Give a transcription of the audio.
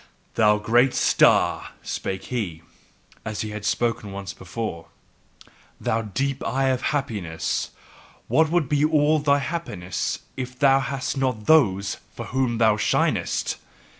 "Thou great star," spake he, as he had spoken once before, "thou deep eye of happiness, what would be all thy happiness if thou hadst not THOSE for whom thou shinest!